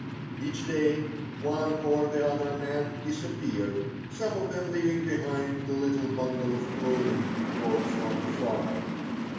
Each day one or the other man disappeared, some of them leaving behind the little bundle of clothing bought from the farmer.